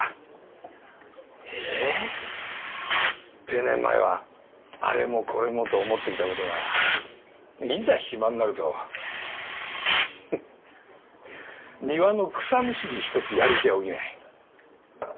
定年前はあれもこれもと思っていたことがいざ暇になると庭の草むしり一つやる気が起きない。